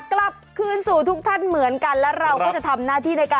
กลับคืนสู่ทุกท่านเหมือนกันแล้วเราก็จะทำหน้าที่ในการ